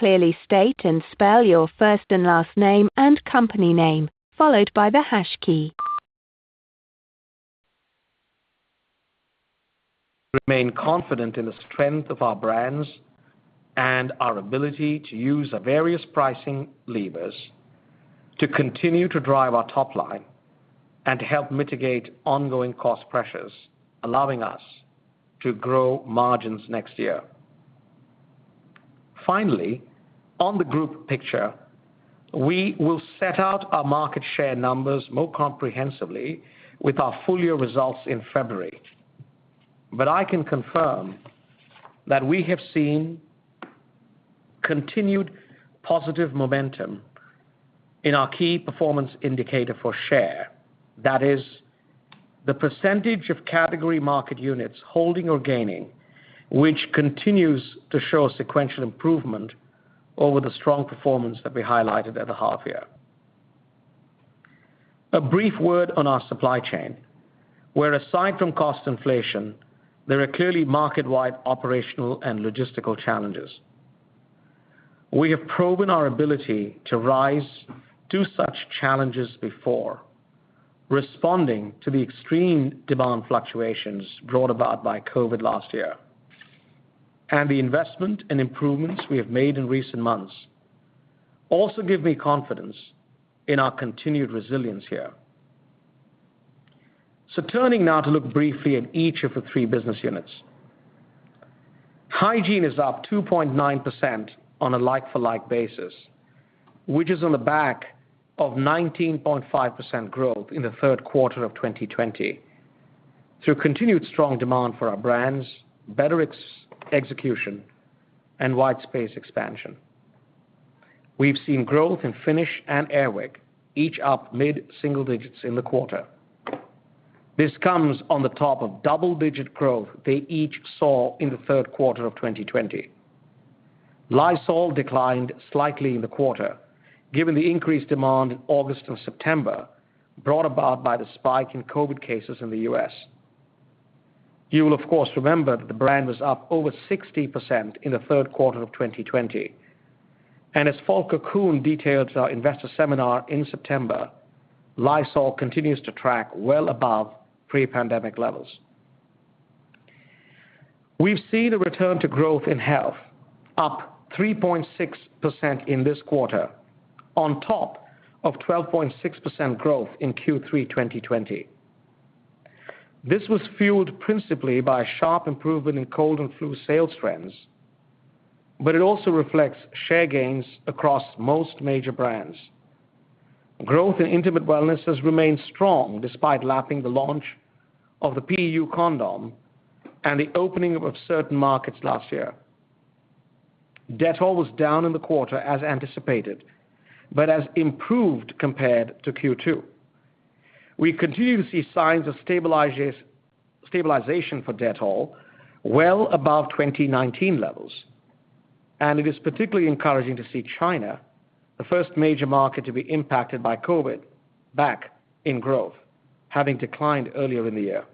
...remain confident in the strength of our brands and our ability to use the various pricing levers to continue to drive our top line and to help mitigate ongoing cost pressures, allowing us to grow margins next year. Finally, on the group picture, we will set out our market share numbers more comprehensively with our full year results in February. I can confirm that we have seen continued positive momentum in our key performance indicator for share. That is the percentage of category market units holding or gaining, which continues to show sequential improvement over the strong performance that we highlighted at the half year. A brief word on our supply chain, where aside from cost inflation, there are clearly market-wide operational and logistical challenges. We have proven our ability to rise to such challenges before, responding to the extreme demand fluctuations brought about by COVID last year. The investment and improvements we have made in recent months also give me confidence in our continued resilience here. Turning now to look briefly at each of the three business units. Hygiene is up 2.9% on a like-for-like basis, which is on the back of 19.5% growth in the third quarter of 2020 through continued strong demand for our brands, better execution, and white space expansion. We've seen growth in Finish and Air Wick, each up mid-single digits in the quarter. This comes on top of double-digit growth they each saw in the third quarter of 2020. Lysol declined slightly in the quarter, given the increased demand in August and September brought about by the spike in COVID cases in the U.S. You will of course remember that the brand was up over 60% in the third quarter of 2020. As Volker Kuhn detailed our investor seminar in September, Lysol continues to track well above pre-pandemic levels. We've seen a return to growth in health, up 3.6% in this quarter, on top of 12.6% growth in Q3 2020. This was fueled principally by sharp improvement in cold and flu sales trends, but it also reflects share gains across most major brands. Growth in Intimate Wellness has remained strong despite lapping the launch of the PU condom and the opening of certain markets last year. Dettol was down in the quarter as anticipated, but has improved compared to Q2. We continue to see signs of stabilization for Dettol well above 2019 levels, and it is particularly encouraging to see China, the first major market to be impacted by COVID, back in growth, having declined earlier in the year.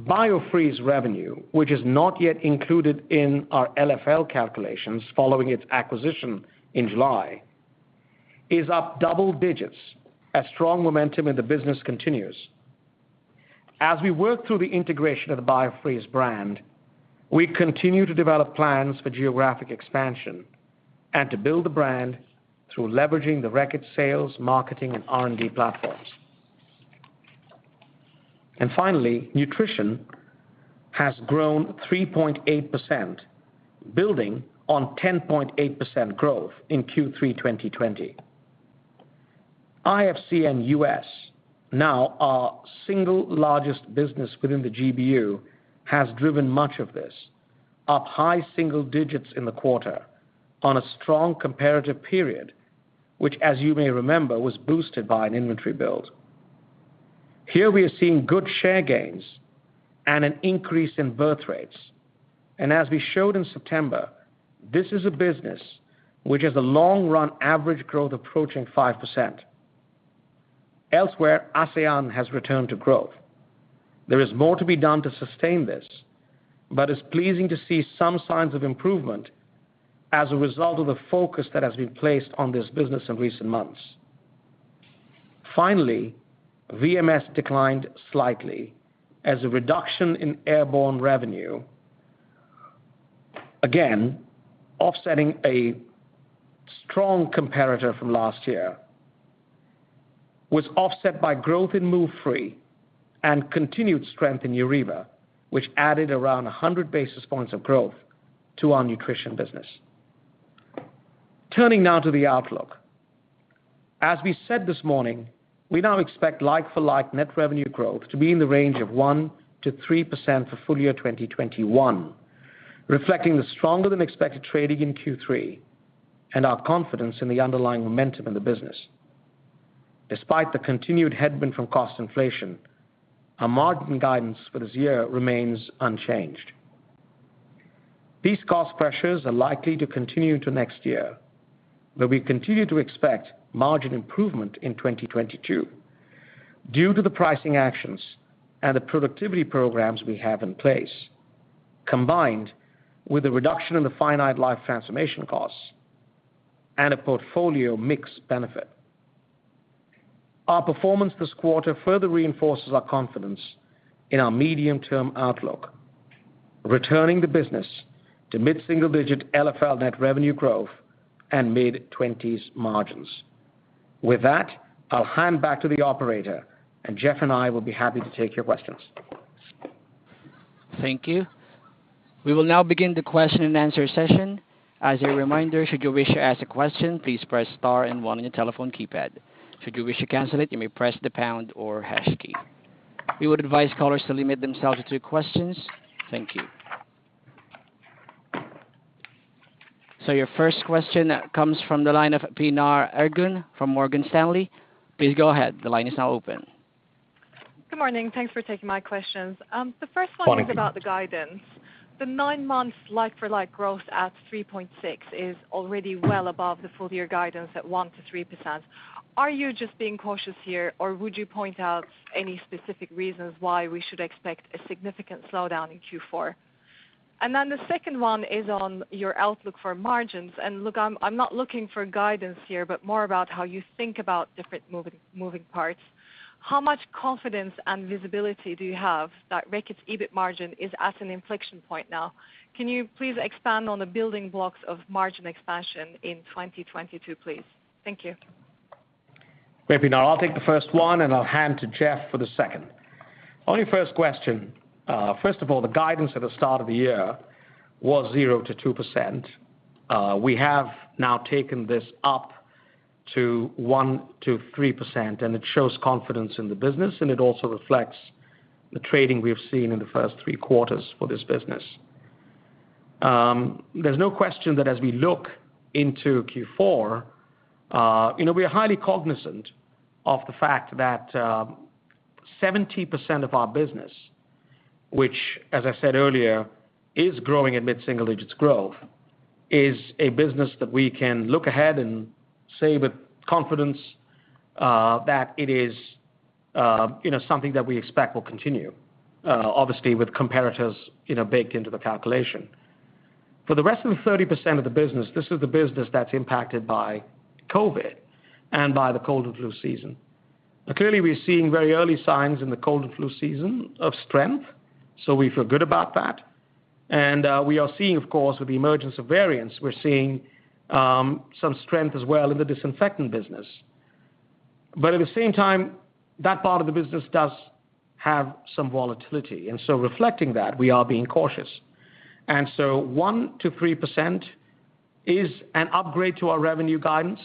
Biofreeze revenue, which is not yet included in our LFL calculations following its acquisition in July, is up double digits as strong momentum in the business continues. As we work through the integration of the Biofreeze brand, we continue to develop plans for geographic expansion and to build the brand through leveraging the record sales, marketing, and R&D platforms. Finally, nutrition has grown 3.8%, building on 10.8% growth in Q3 2020. IFCN U.S., now our single largest business within the GBU, has driven much of this, up high single digits in the quarter on a strong comparative period, which, as you may remember, was boosted by an inventory build. Here we are seeing good share gains and an increase in birth rates. As we showed in September, this is a business which has a long run average growth approaching 5%. Elsewhere, ASEAN has returned to growth. There is more to be done to sustain this, but it's pleasing to see some signs of improvement as a result of the focus that has been placed on this business in recent months. Finally, VMS declined slightly as a reduction in Airborne revenue, again, offsetting a strong comparator from last year, was offset by growth in Move Free and continued strength in Neuriva, which added around 100 basis points of growth to our nutrition business. Turning now to the outlook. As we said this morning, we now expect like-for-like net revenue growth to be in the range of 1%-3% for full year 2021, reflecting the stronger than expected trading in Q3 and our confidence in the underlying momentum in the business. Despite the continued headwind from cost inflation, our margin guidance for this year remains unchanged. These cost pressures are likely to continue to next year, but we continue to expect margin improvement in 2022 due to the pricing actions and the productivity programs we have in place, combined with the reduction in the finite life transformation costs and a portfolio mix benefit. Our performance this quarter further reinforces our confidence in our medium-term outlook, returning the business to mid-single-digit LFL net revenue growth and mid-20s% margins. With that, I'll hand back to the operator, and Jeff and I will be happy to take your questions. Thank you. We will now begin the question and answer session. As a reminder, should you wish to ask a question, please press star and one on your telephone keypad. Should you wish to cancel it, you may press the pound or hash key. We would advise callers to limit themselves to three questions. Thank you. Your first question comes from the line of Pinar Ergun from Morgan Stanley. Please go ahead. The line is now open. Good morning. Thanks for taking my questions. The first one- Good morning. This is about the guidance. The nine months like-for-like growth at 3.6% is already well above the full year guidance at 1%-3%. Are you just being cautious here, or would you point out any specific reasons why we should expect a significant slowdown in Q4? Then the second one is on your outlook for margins, and look, I'm not looking for guidance here, but more about how you think about different moving parts. How much confidence and visibility do you have that Reckitt's EBIT margin is at an inflection point now? Can you please expand on the building blocks of margin expansion in 2022, please? Thank you. Maybe now I'll take the first one, and I'll hand to Jeff for the second. On your first question, first of all, the guidance at the start of the year was 0%-2%. We have now taken this up to 1%-3%, and it shows confidence in the business, and it also reflects the trading we have seen in the first three quarters for this business. There's no question that as we look into Q4, you know, we are highly cognizant of the fact that 70% of our business, which, as I said earlier, is growing at mid-single digits growth, is a business that we can look ahead and say with confidence that it is, you know, something that we expect will continue, obviously with comparators, you know, baked into the calculation. For the rest of the 30% of the business, this is the business that's impacted by COVID and by the cold and flu season. Now, clearly, we're seeing very early signs in the cold and flu season of strength, so we feel good about that. We are seeing, of course, with the emergence of variants, we're seeing some strength as well in the disinfectant business. At the same time, that part of the business does have some volatility. Reflecting that, we are being cautious. One to 3% is an upgrade to our revenue guidance,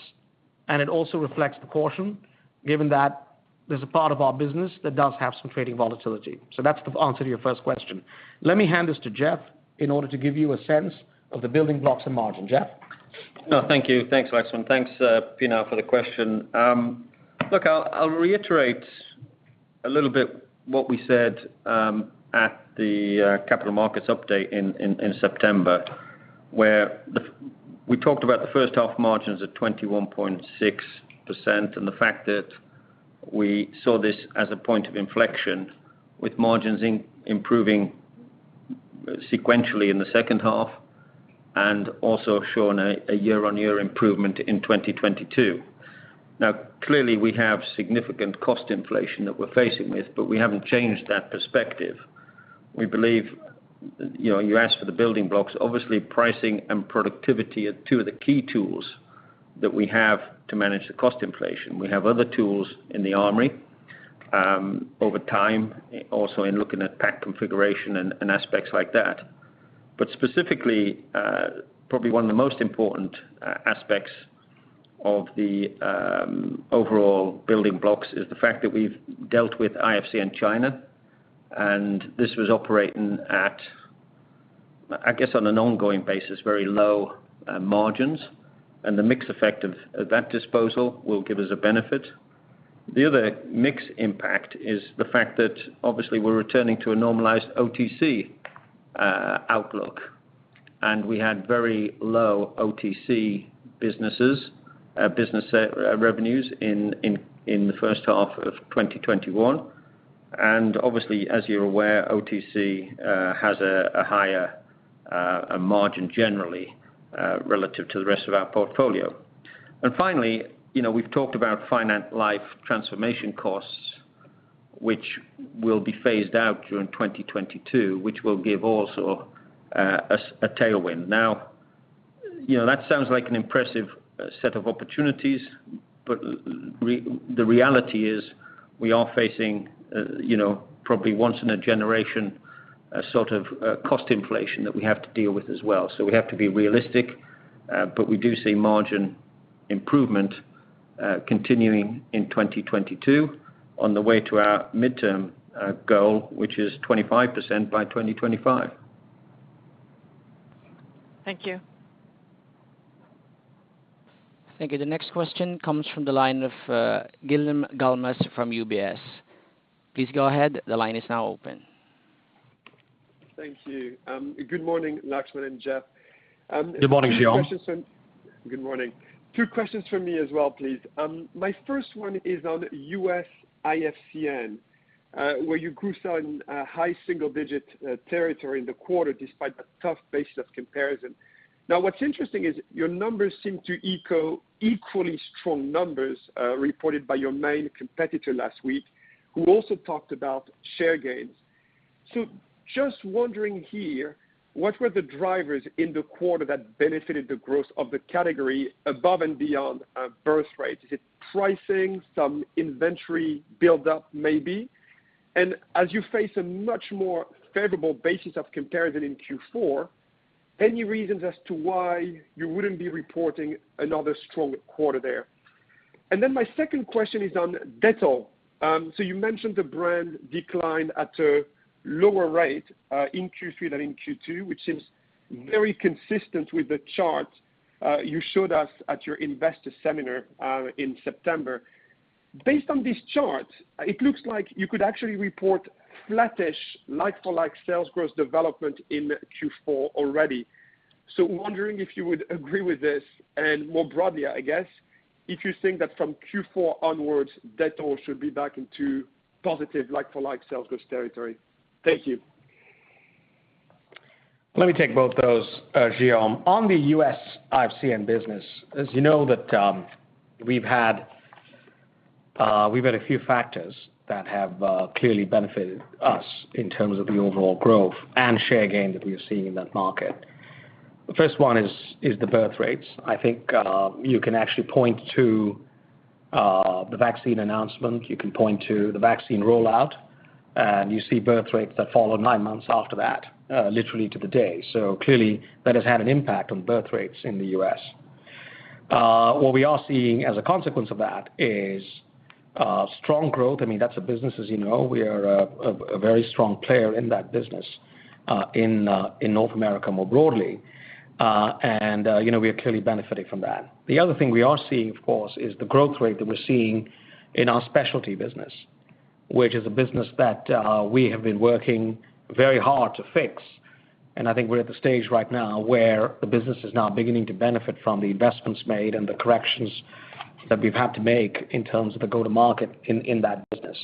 and it also reflects the caution given that there's a part of our business that does have some trading volatility. That's the answer to your first question. Let me hand this to Jeff in order to give you a sense of the building blocks and margin. Jeff? No, thank you. Thanks, Laxman. Thanks, Pinar, for the question. Look, I'll reiterate a little bit what we said at the capital markets update in September, where we talked about the first half margins at 21.6% and the fact that we saw this as a point of inflection with margins improving sequentially in the second half and also showing a year-on-year improvement in 2022. Now, clearly, we have significant cost inflation that we're facing with, but we haven't changed that perspective. We believe, you know, you asked for the building blocks, obviously, pricing and productivity are two of the key tools that we have to manage the cost inflation. We have other tools in the armory, over time, also in looking at pack configuration and aspects like that. Specifically, probably one of the most important aspects of the overall building blocks is the fact that we've dealt with IFCN in China, and this was operating at, I guess, on an ongoing basis, very low margins, and the mix effect of that disposal will give us a benefit. The other mix impact is the fact that obviously we're returning to a normalized OTC outlook, and we had very low OTC business revenues in the first half of 2021. Obviously, as you're aware, OTC has a higher margin generally relative to the rest of our portfolio. Finally, you know, we've talked about finite life transformation costs, which will be phased out during 2022, which will also give a tailwind. Now, you know, that sounds like an impressive set of opportunities, but the reality is we are facing, you know, probably once in a generation, sort of, cost inflation that we have to deal with as well. We have to be realistic, but we do see margin improvement continuing in 2022 on the way to our midterm goal, which is 25% by 2025. Thank you. Thank you. The next question comes from the line of Guillaume Delmas from UBS. Please go ahead. The line is now open. Thank you. Good morning, Laxman and Jeff. Good morning, Guillaume. Good morning. Two questions from me as well, please. My first one is on U.S. IFCN, where you grew some high single-digit territory in the quarter despite a tough base of comparison. What's interesting is your numbers seem to echo equally strong numbers reported by your main competitor last week, who also talked about share gains. Just wondering here, what were the drivers in the quarter that benefited the growth of the category above and beyond birth rates? Is it pricing, some inventory buildup maybe? As you face a much more favorable basis of comparison in Q4, any reasons as to why you wouldn't be reporting another strong quarter there? My second question is on Dettol. You mentioned the brand declined at a lower rate in Q3 than in Q2, which seems very consistent with the chart you showed us at your investor seminar in September. Based on this chart, it looks like you could actually report flattish like-for-like sales growth development in Q4 already. Wondering if you would agree with this and more broadly, I guess, if you think that from Q4 onwards, Dettol should be back into positive like-for-like sales growth territory. Thank you. Let me take both those, Guillaume. On the U.S. IFCN business, as you know that, we've had a few factors that have clearly benefited us in terms of the overall growth and share gain that we are seeing in that market. The first one is the birth rates. I think you can actually point to the vaccine announcement, you can point to the vaccine rollout, and you see birth rates that follow nine months after that, literally to the day. Clearly that has had an impact on birth rates in the U.S. What we are seeing as a consequence of that is strong growth. I mean, that's a business, as you know, we are a very strong player in that business, in North America more broadly. You know, we are clearly benefiting from that. The other thing we are seeing, of course, is the growth rate that we're seeing in our specialty business, which is a business that we have been working very hard to fix. I think we're at the stage right now where the business is now beginning to benefit from the investments made and the corrections that we've had to make in terms of the go-to-market in that business.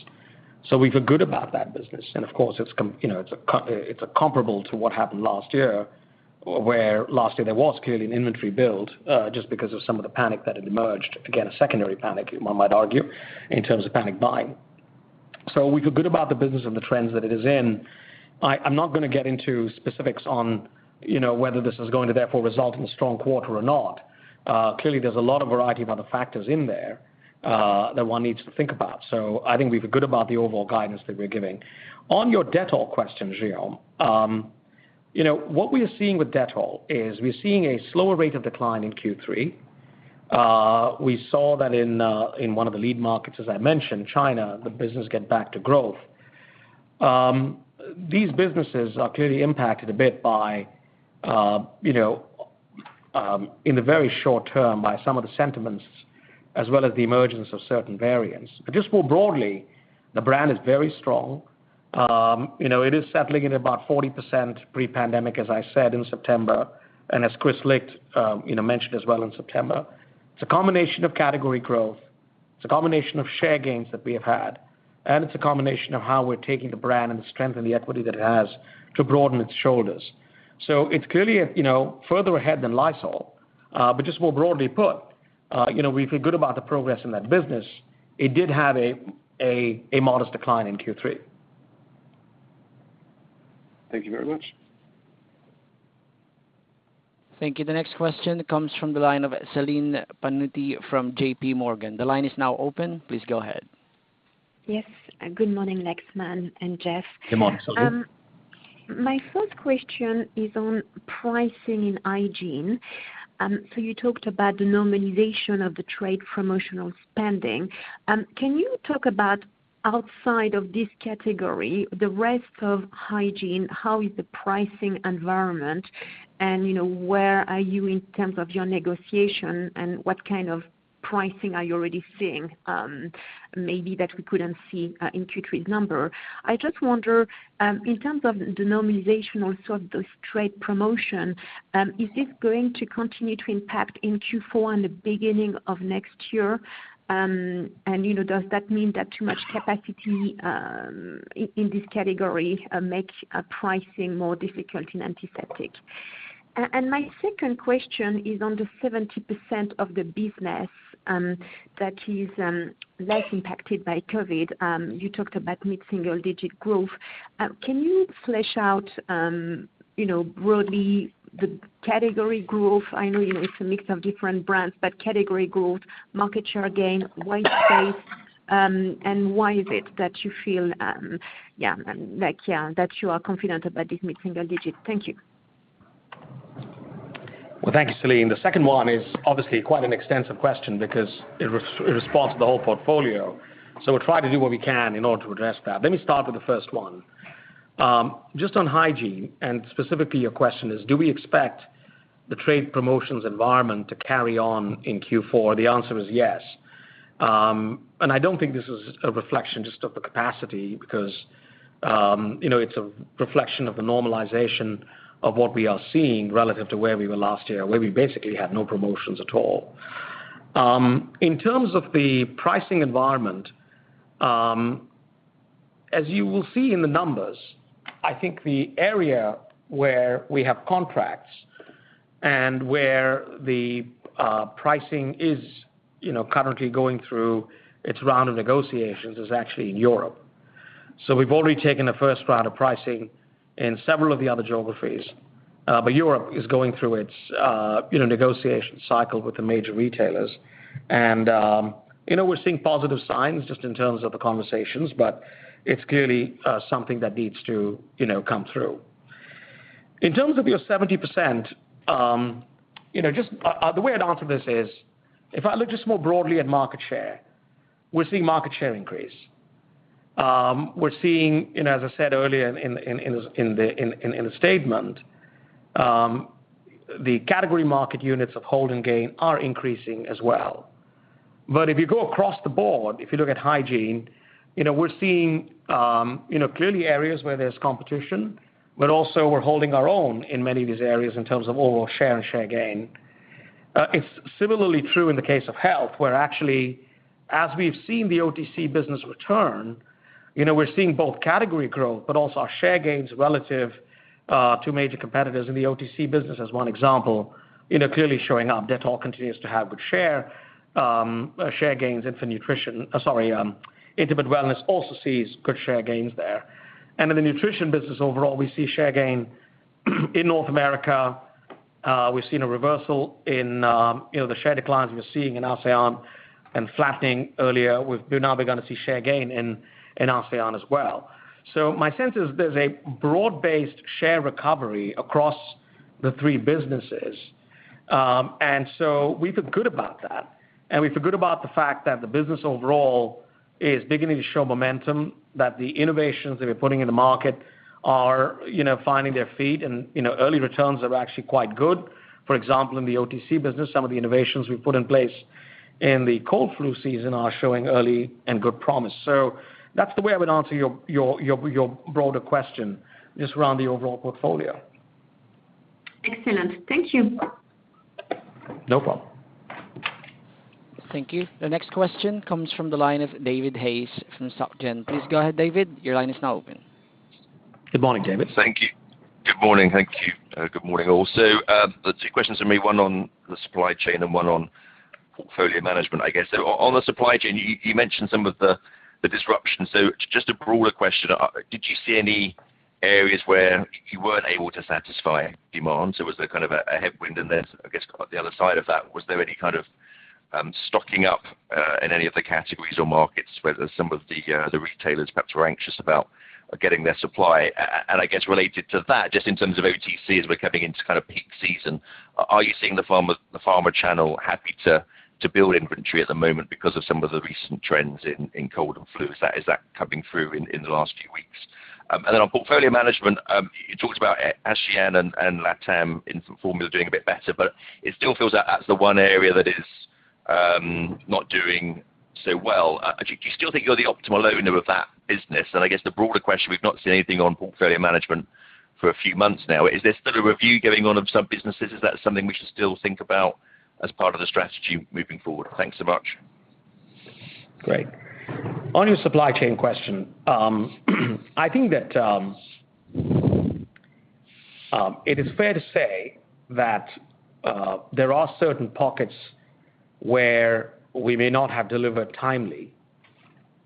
We feel good about that business. Of course, it's comparable to what happened last year, where last year there was clearly an inventory build just because of some of the panic that had emerged. Again, a secondary panic, one might argue, in terms of panic buying. We feel good about the business and the trends that it is in. I'm not gonna get into specifics on, you know, whether this is going to therefore result in a strong quarter or not. Clearly there's a lot of variety of other factors in there that one needs to think about. I think we feel good about the overall guidance that we're giving. On your Dettol question, Guillaume, you know, what we are seeing with Dettol is we're seeing a slower rate of decline in Q3. We saw that in one of the lead markets, as I mentioned, China, the business get back to growth. These businesses are clearly impacted a bit by, you know, in the very short term by some of the sentiments as well as the emergence of certain variants. Just more broadly, the brand is very strong. You know, it is settling at about 40% pre-pandemic, as I said in September. As Kris Licht, you know, mentioned as well in September, it's a combination of category growth, it's a combination of share gains that we have had, and it's a combination of how we're taking the brand and the strength and the equity that it has to broaden its shoulders. It's clearly, you know, further ahead than Lysol. Just more broadly put, you know, we feel good about the progress in that business. It did have a modest decline in Q3. Thank you very much. Thank you. The next question comes from the line of Celine Pannuti from JPMorgan. The line is now open. Please go ahead. Yes. Good morning, Laxman and Jeff. Good morning, Celine. My first question is on pricing in hygiene. You talked about the normalization of the trade promotional spending. Can you talk about outside of this category, the rest of hygiene, how is the pricing environment and, you know, where are you in terms of your negotiation and what kind of pricing are you already seeing, maybe that we couldn't see, in Q3's number? I just wonder, in terms of the normalization also of this trade promotion, is this going to continue to impact in Q4 and the beginning of next year? You know, does that mean that too much capacity, in this category, make pricing more difficult in antiseptic? My second question is on the 70% of the business, that is, less impacted by COVID. You talked about mid-single-digit growth. Can you flesh out, you know, broadly the category growth? I know, you know, it's a mix of different brands, but category growth, market share gain, white space, and why is it that you feel, yeah, like, yeah, that you are confident about this mid-single-digit? Thank you. Well, thank you, Celine. The second one is obviously quite an extensive question because it responds to the whole portfolio. We'll try to do what we can in order to address that. Let me start with the first one. Just on hygiene, and specifically your question is, do we expect the trade promotions environment to carry on in Q4? The answer is yes. I don't think this is a reflection just of the capacity because, you know, it's a reflection of the normalization of what we are seeing relative to where we were last year, where we basically had no promotions at all. In terms of the pricing environment, as you will see in the numbers, I think the area where we have contracts and where the pricing is, you know, currently going through its round of negotiations is actually in Europe. We've already taken the first round of pricing in several of the other geographies, but Europe is going through its, you know, negotiation cycle with the major retailers. You know, we're seeing positive signs just in terms of the conversations, but it's clearly something that needs to, you know, come through. In terms of your 70%, you know, just the way I'd answer this is, if I look just more broadly at market share, we're seeing market share increase. You know, as I said earlier in the statement, the category market units of hold and gain are increasing as well. If you go across the board, if you look at hygiene, you know, we're seeing you know, clearly areas where there's competition, but also we're holding our own in many of these areas in terms of overall share and share gain. It's similarly true in the case of health, where actually, as we've seen the OTC business return, you know, we're seeing both category growth but also our share gains relative to major competitors in the OTC business as one example, you know, clearly showing up. Dettol continues to have good share gains. Intimate Wellness also sees good share gains there. In the nutrition business overall, we see share gain in North America. We've seen a reversal in you know, the share declines we're seeing in ASEAN and flattening earlier with... Now we're gonna see share gain in ASEAN as well. My sense is there's a broad-based share recovery across the three businesses. We feel good about that, and we feel good about the fact that the business overall is beginning to show momentum, that the innovations that we're putting in the market are, you know, finding their feet and, you know, early returns are actually quite good. For example, in the OTC business, some of the innovations we've put in place in the cold flu season are showing early and good promise. That's the way I would answer your broader question just around the overall portfolio. Excellent. Thank you. No problem. Thank you. The next question comes from the line of David Hayes from Société Générale. Please go ahead, David. Your line is now open. Good morning, David. Thank you. Good morning. Thank you. Good morning, all. There are two questions for me, one on the supply chain and one on portfolio management, I guess. On the supply chain, you mentioned some of the disruption. Just a broader question. Did you see any areas where you weren't able to satisfy demand, so was there kind of a headwind in this? I guess on the other side of that, was there any kind of stocking up in any of the categories or markets where some of the retailers perhaps were anxious about getting their supply? I guess related to that, just in terms of OTC as we're coming into kind of peak season, are you seeing the pharma channel happy to build inventory at the moment because of some of the recent trends in cold and flu? Is that coming through in the last few weeks? On portfolio management, you talked about ASEAN and LATAM infant formula doing a bit better, but it still feels that that's the one area that is not doing so well. Do you still think you're the optimal owner of that business? I guess the broader question, we've not seen anything on portfolio management for a few months now. Is there still a review going on of some businesses? Is that something we should still think about as part of the strategy moving forward? Thanks so much. Great. On your supply chain question, I think that it is fair to say that there are certain pockets where we may not have delivered timely,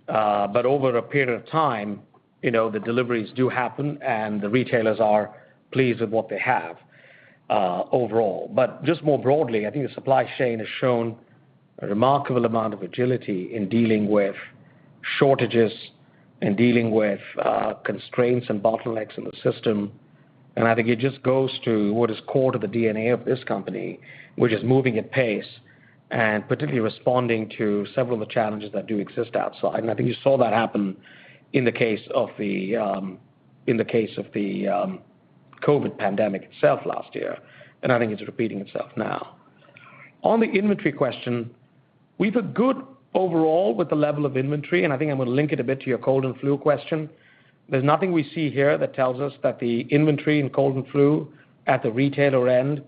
but over a period of time, you know, the deliveries do happen, and the retailers are pleased with what they have, overall. Just more broadly, I think the supply chain has shown a remarkable amount of agility in dealing with shortages and dealing with constraints and bottlenecks in the system. I think it just goes to what is core to the DNA of this company, which is moving at pace and particularly responding to several of the challenges that do exist outside. I think you saw that happen in the case of the COVID pandemic itself last year, and I think it's repeating itself now. On the inventory question, we feel good overall with the level of inventory, and I think I'm gonna link it a bit to your cold and flu question. There's nothing we see here that tells us that the inventory in cold and flu at the retailer end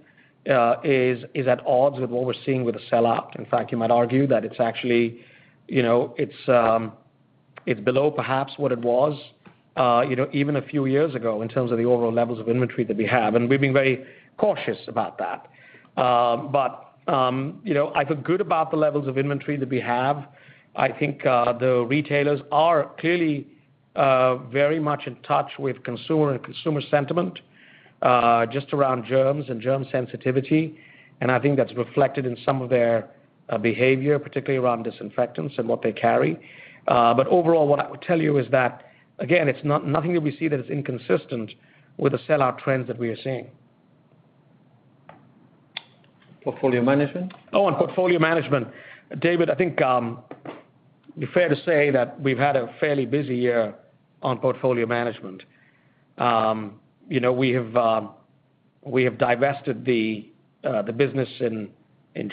is at odds with what we're seeing with the sell out. In fact, you might argue that it's actually, you know, it's below perhaps what it was, you know, even a few years ago in terms of the overall levels of inventory that we have, and we've been very cautious about that. You know, I feel good about the levels of inventory that we have. I think the retailers are clearly very much in touch with consumer sentiment just around germs and germ sensitivity, and I think that's reflected in some of their behavior, particularly around disinfectants and what they carry. Overall, what I would tell you is that, again, it's not nothing that we see that is inconsistent with the sell out trends that we are seeing. Portfolio management? Oh, on portfolio management. David, I think it's fair to say that we've had a fairly busy year on portfolio management. You know, we have divested the business in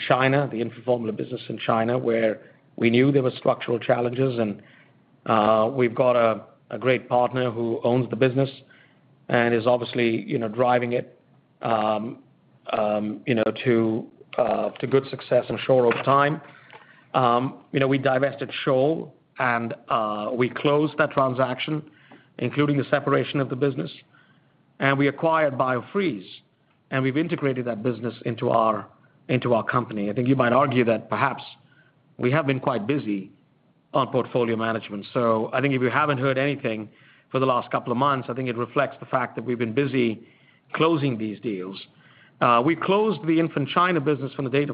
China, the infant formula business in China, where we knew there were structural challenges and we've got a great partner who owns the business and is obviously you know driving it to good success I'm sure over time. You know, we divested Scholl, and we closed that transaction, including the separation of the business, and we acquired Biofreeze, and we've integrated that business into our company. I think you might argue that perhaps we have been quite busy on portfolio management. I think if you haven't heard anything for the last couple of months, I think it reflects the fact that we've been busy closing these deals. We closed the Infant China business from the date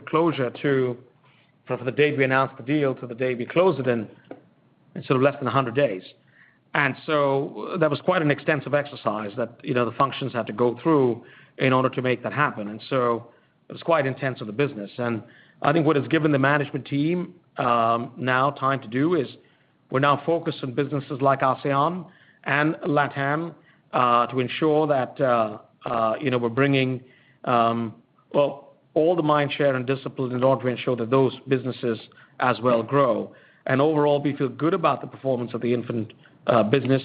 we announced the deal to the day we closed it in sort of less than 100 days. That was quite an extensive exercise that, you know, the functions had to go through in order to make that happen. It was quite intense for the business. I think what it's given the management team now time to do is we're now focused on businesses like ASEAN and LATAM to ensure that, you know, we're bringing, well, all the mind share and discipline in order to ensure that those businesses as well grow. Overall, we feel good about the performance of the infant business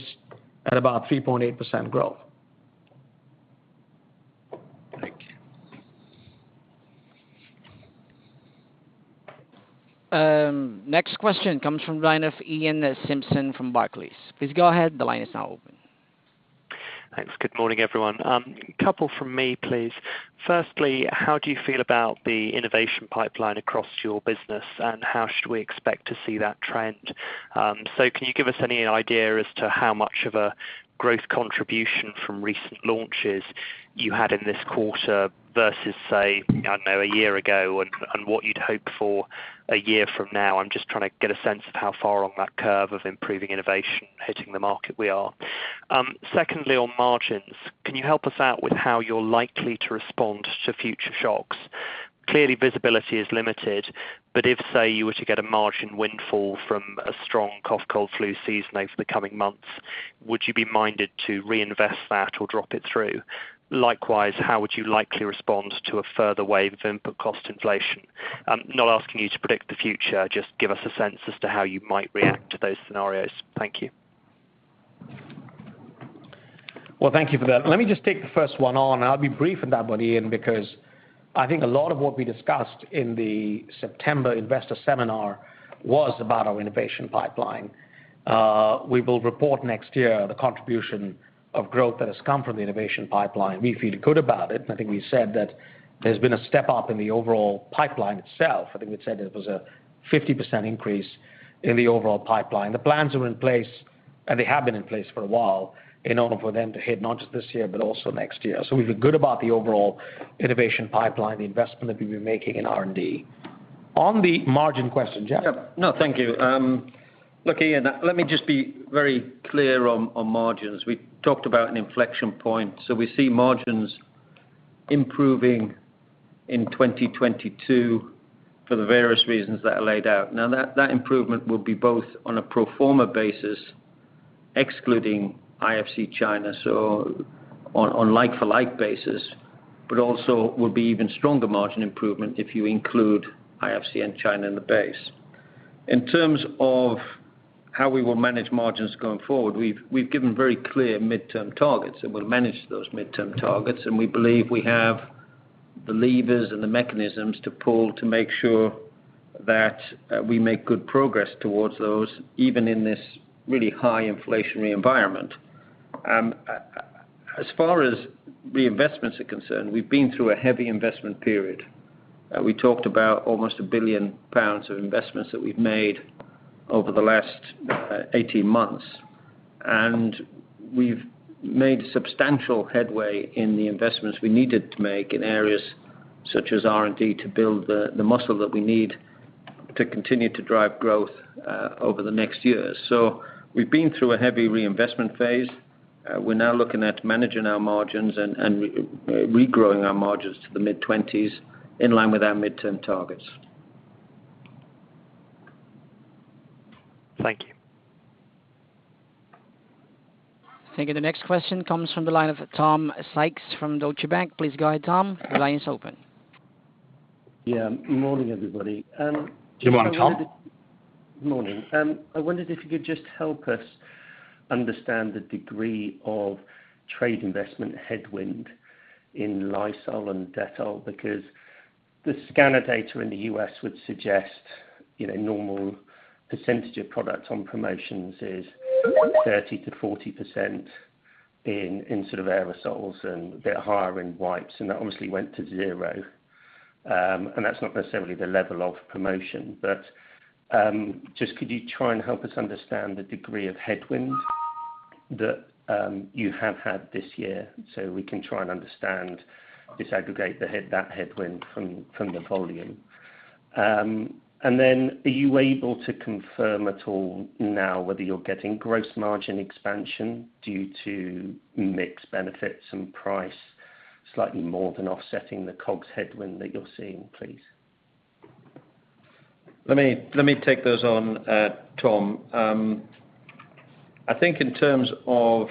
at about 3.8% growth. Thank you. Next question comes from the line of Iain Simpson from Barclays. Please go ahead. The line is now open. Thanks. Good morning, everyone. A couple from me, please. Firstly, how do you feel about the innovation pipeline across your business, and how should we expect to see that trend? Can you give us any idea as to how much of a growth contribution from recent launches you had in this quarter versus, say, I don't know, a year ago and what you'd hope for a year from now? I'm just trying to get a sense of how far on that curve of improving innovation hitting the market we are. Secondly, on margins, can you help us out with how you're likely to respond to future shocks? Clearly, visibility is limited, but if, say, you were to get a margin windfall from a strong cough, cold flu season over the coming months, would you be minded to reinvest that or drop it through? Likewise, how would you likely respond to a further wave of input cost inflation? Not asking you to predict the future, just give us a sense as to how you might react to those scenarios. Thank you. Well, thank you for that. Let me just take the first one on. I'll be brief on that one, Iain, because I think a lot of what we discussed in the September investor seminar was about our innovation pipeline. We will report next year the contribution of growth that has come from the innovation pipeline. We feel good about it. I think we said that there's been a step up in the overall pipeline itself. I think we said it was a 50% increase in the overall pipeline. The plans are in place, and they have been in place for a while in order for them to hit not just this year, but also next year. We feel good about the overall innovation pipeline, the investment that we've been making in R&D. On the margin question, Jeff? Yeah. No, thank you. Look, Iain, let me just be very clear on margins. We talked about an inflection point. We see margins improving in 2022 for the various reasons that are laid out. Now, that improvement will be both on a pro forma basis, excluding IFCN China, so on like-for-like basis, but also will be even stronger margin improvement if you include IFCN and China in the base. In terms of how we will manage margins going forward, we've given very clear midterm targets, and we'll manage those midterm targets, and we believe we have the levers and the mechanisms to pull to make sure that we make good progress towards those, even in this really high inflationary environment. As far as reinvestments are concerned, we've been through a heavy investment period. We talked about almost 1 billion pounds of investments that we've made over the last 18 months. We've made substantial headway in the investments we needed to make in areas such as R&D to build the muscle that we need to continue to drive growth over the next years. We've been through a heavy reinvestment phase. We're now looking at managing our margins and re-growing our margins to the mid-20s% in line with our medium-term targets. Thank you. Thank you. The next question comes from the line of Tom Sykes from Deutsche Bank. Please go ahead, Tom. The line is open. Yeah. Morning, everybody. I wondered. Good morning, Tom. Morning. I wondered if you could just help us understand the degree of trade investment headwind in Lysol and Dettol, because the scanner data in the U.S. would suggest, you know, normal percentage of products on promotions is 30%-40% in sort of aerosols and a bit higher in wipes, and that obviously went to 0%. That's not necessarily the level of promotion. Just could you try and help us understand the degree of headwind that you have had this year so we can try and understand, disaggregate that headwind from the volume? Are you able to confirm at all now whether you're getting gross margin expansion due to mix benefits and price slightly more than offsetting the COGS headwind that you're seeing, please. Let me take those on, Tom. I think in terms of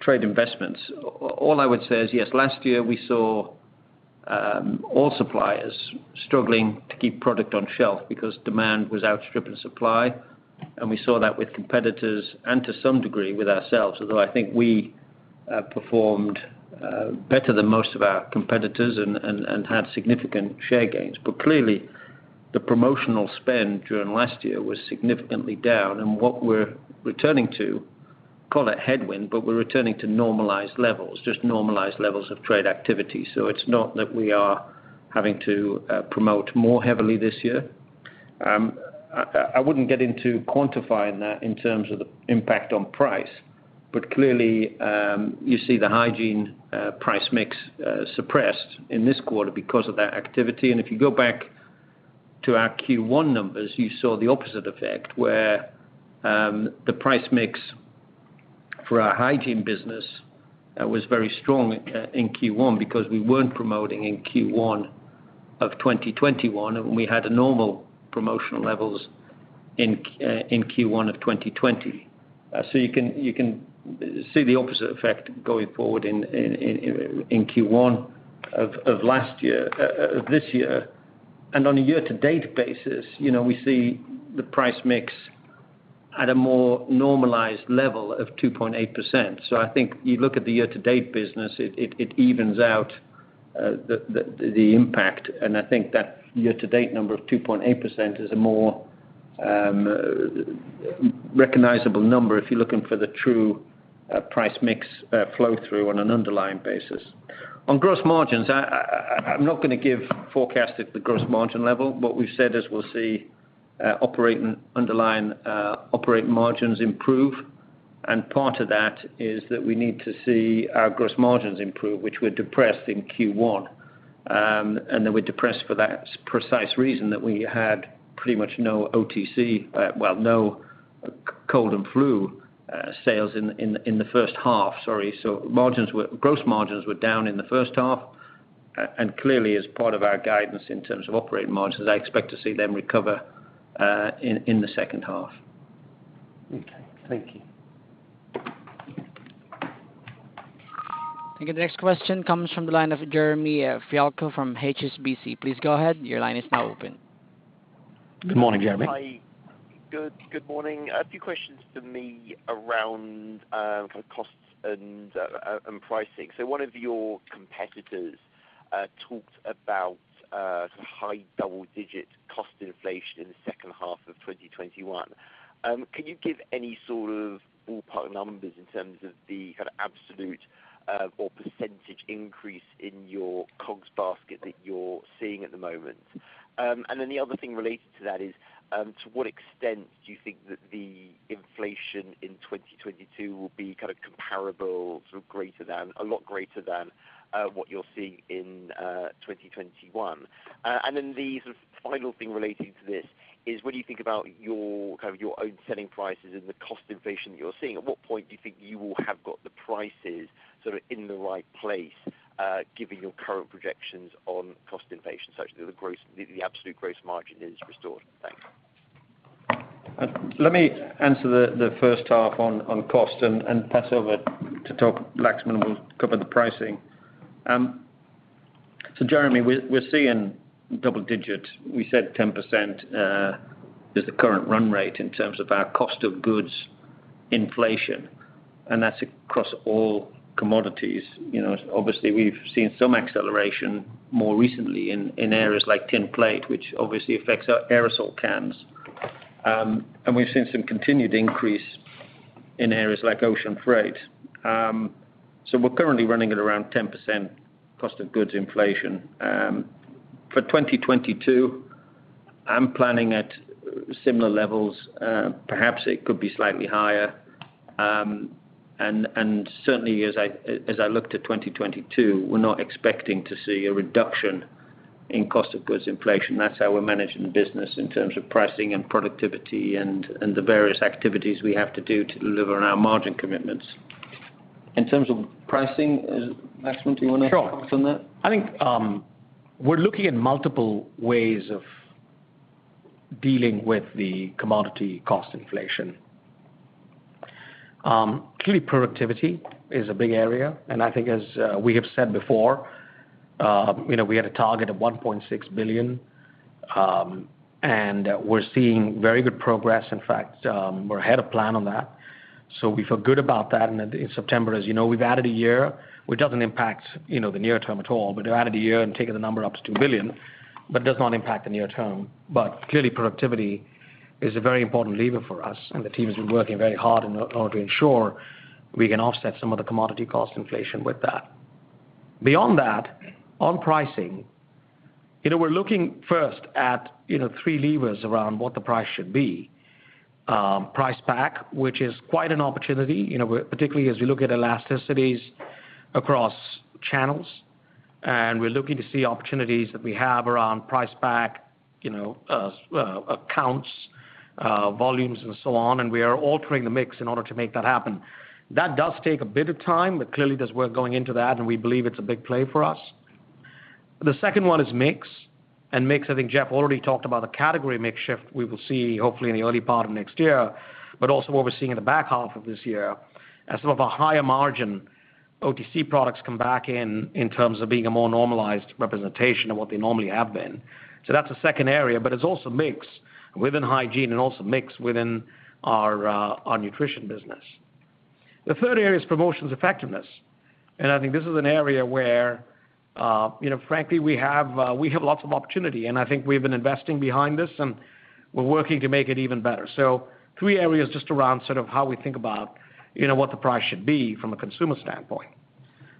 trade investments, all I would say is, yes, last year we saw all suppliers struggling to keep product on shelf because demand was outstripping supply. We saw that with competitors and to some degree with ourselves. Although I think we performed better than most of our competitors and had significant share gains. Clearly the promotional spend during last year was significantly down. What we're returning to, call it headwind, but we're returning to normalized levels, just normalized levels of trade activity. It's not that we are having to promote more heavily this year. I wouldn't get into quantifying that in terms of the impact on price, but clearly you see the hygiene price mix suppressed in this quarter because of that activity. If you go back to our Q1 numbers, you saw the opposite effect, where the price mix for our hygiene business was very strong in Q1 because we weren't promoting in Q1 of 2021, and we had normal promotional levels in Q1 of 2020. You can see the opposite effect going forward in Q1 of last year this year. On a year to date basis, you know, we see the price mix at a more normalized level of 2.8%. I think you look at the year to date business, it evens out the impact. I think that year to date number of 2.8% is a more recognizable number if you're looking for the true price mix flow through on an underlying basis. On gross margins, I'm not gonna give forecast at the gross margin level. What we've said is we'll see underlying operating margins improve. Part of that is that we need to see our gross margins improve, which were depressed in Q1. They were depressed for that precise reason that we had pretty much no OTC, well, no cold and flu sales in the first half. Sorry. Gross margins were down in the first half, and clearly as part of our guidance in terms of operating margins, I expect to see them recover in the second half. Okay, thank you. Thank you. The next question comes from the line of Jeremy Fialko from HSBC. Please go ahead. Your line is now open. Good morning, Jeremy. Hi. Good morning. A few questions for me around kind of costs and pricing. One of your competitors talked about some high double-digit cost inflation in the second half of 2021. Can you give any sort of ballpark numbers in terms of the kind of absolute or percentage increase in your COGS basket that you're seeing at the moment? And then the other thing related to that is to what extent do you think that the inflation in 2022 will be kind of comparable, sort of greater than, a lot greater than what you're seeing in 2021? And then the sort of final thing relating to this is what do you think about your kind of your own selling prices and the cost inflation that you're seeing? At what point do you think you will have got the prices sort of in the right place, given your current projections on cost inflation, such that the absolute gross margin is restored? Thanks. Let me answer the first half on cost and pass over to Laxman. Laxman will cover the pricing. So Jeremy, we're seeing double digits. We said 10% is the current run rate in terms of our cost of goods inflation, and that's across all commodities. You know, obviously we've seen some acceleration more recently in areas like tin plate, which obviously affects our aerosol cans. And we've seen some continued increase in areas like ocean freight. So we're currently running at around 10% cost of goods inflation. For 2022, I'm planning at similar levels, perhaps it could be slightly higher. Certainly as I looked at 2022, we're not expecting to see a reduction in cost of goods inflation. That's how we're managing the business in terms of pricing and productivity and the various activities we have to do to deliver on our margin commitments. In terms of pricing, Laxman, do you wanna comment on that? Sure. I think we're looking at multiple ways of dealing with the commodity cost inflation. Clearly productivity is a big area, and I think as we have said before, you know, we had a target of 1.6 billion, and we're seeing very good progress. In fact, we're ahead of plan on that. We feel good about that. In September, as you know, we've added a year, which doesn't impact, you know, the near term at all. We've added a year and taken the number up to 2 billion, but does not impact the near term. Clearly productivity is a very important lever for us, and the team has been working very hard in order to ensure we can offset some of the commodity cost inflation with that. Beyond that, on pricing, you know, we're looking first at, you know, three levers around what the price should be. Price back, which is quite an opportunity, you know, particularly as we look at elasticities across channels. We are looking to see opportunities that we have around price back, you know, discounts, volumes and so on, and we are altering the mix in order to make that happen. That does take a bit of time, but clearly there's work going into that, and we believe it's a big play for us. The second one is mix, I think Jeff already talked about the category mix shift we will see hopefully in the early part of next year. Also what we're seeing in the back half of this year as some of our higher margin OTC products come back in terms of being a more normalized representation of what they normally have been. That's the second area. It's also mix within hygiene and also mix within our nutrition business. The third area is promotions effectiveness. I think this is an area where, you know, frankly, we have lots of opportunity, and I think we've been investing behind this, and we're working to make it even better. Three areas just around sort of how we think about, you know, what the price should be from a consumer standpoint.